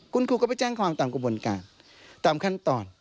คุณครูก็ไปแจ้งความตามกระบวนการตามขั้นตอน